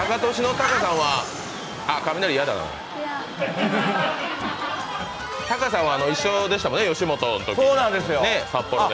タカさんは一緒でしたもんね、吉本のとき、札幌で。